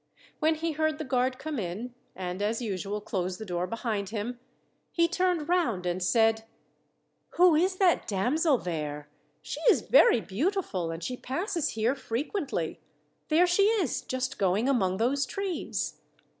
When he heard the guard come in, and, as usual, close the door behind him, he turned round and said: "Who is that damsel there? She is very beautiful, and she passes here frequently. There she is, just going among those trees."